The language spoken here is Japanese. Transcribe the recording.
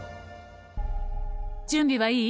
準備はいい？